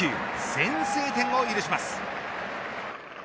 先制点を許します。